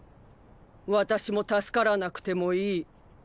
私も助からなくてもいい。